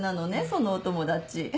そのお友達。